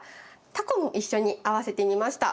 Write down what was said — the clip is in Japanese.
タコも一緒に合わせてみました。